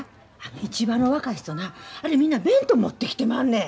市場の若い人なあれみんな弁当持ってきてまんねん。